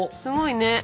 すごいね。